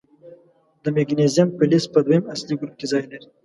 د مګنیزیم فلز په دویم اصلي ګروپ کې ځای لري.